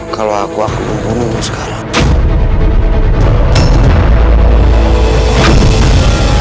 kalau aku akan membunuhmu sekarang